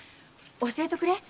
教えとくれ？